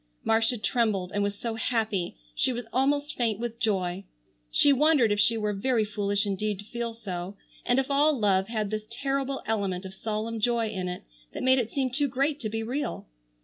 Marcia trembled and was so happy she was almost faint with joy. She wondered if she were very foolish indeed to feel so, and if all love had this terrible element of solemn joy in it that made it seem too great to be real.